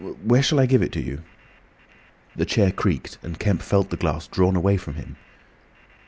Where shall I give it to you?" The chair creaked and Kemp felt the glass drawn away from him.